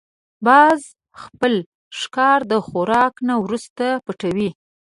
باز خپل ښکار د خوراک نه وروسته پټوي